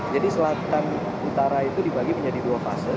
jadi selatan utara itu dibagi menjadi dua fase